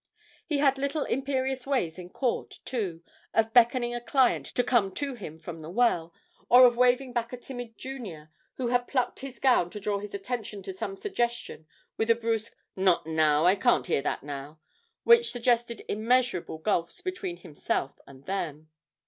He had little imperious ways in court, too, of beckoning a client to come to him from the well, or of waving back a timid junior who had plucked his gown to draw his attention to some suggestion with a brusque 'Not now I can't hear that now!' which suggested immeasurable gulfs between himself and them.